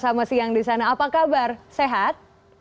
selamat siang di sana apa kabar sehat